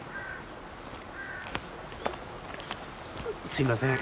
すいません。